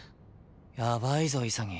やばいぞ潔。